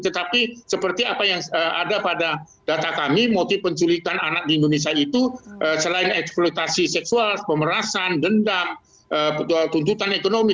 tetapi seperti apa yang ada pada data kami motif penculikan anak di indonesia itu selain eksploitasi seksual pemerasan dendam tuntutan ekonomi